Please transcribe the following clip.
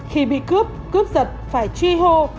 khi bị cướp cướp giật phải truy hô